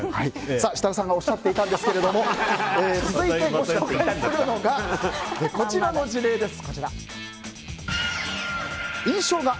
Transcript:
設楽さんがおっしゃっていたんですけども続いてご紹介するのがこちらの事例です。